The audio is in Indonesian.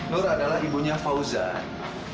nur adalah ibunya fauzan